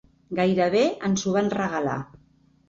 Gairebé ens ho van regalar.